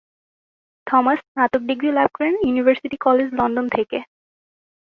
Thomas স্নাতক degree লাভ করেন ইউনিভার্সিটি কলেজ লন্ডন থেকে।